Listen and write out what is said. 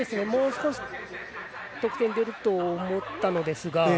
もう少し得点が出ると思ったのですが。